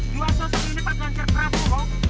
dua sosok ini pak ganjar prabowo